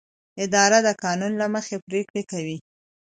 اداره د قانون له مخې پریکړې کوي.